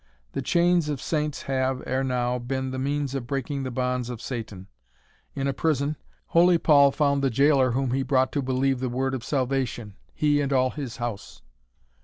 The chains of saints have, ere now, been the means of breaking the bonds of Satan. In a prison, holy Paul found the jailor whom he brought to believe the word of salvation, he and all his house."